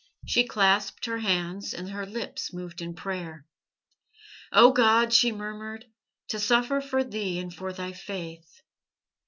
She clasped her hands, and her lips moved in prayer. "Oh God," she murmured, "to suffer for Thee and for Thy Faith!"